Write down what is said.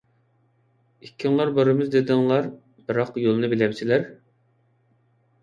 ئىككىڭلار بارىمىز دېدىڭلار، بىراق يولنى بىلەمسىلەر؟!